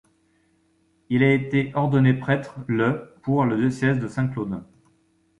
Il a été ordonné prêtre le pour le diocèse de Saint-Claude.